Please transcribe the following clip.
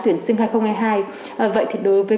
tuyển sinh hai nghìn hai mươi hai vậy thì đối với